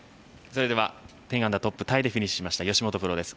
それでは、１０アンダートップタイでフィニッシュしました吉本プロです。